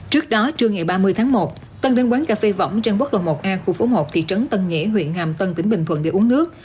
trước đó trưa ngày ba mươi tháng một tân đến quán cà phê vỏng trên quốc lộ một a khu phố một thị trấn tân nghĩa huyện hàm tân tỉnh bình thuận để uống nước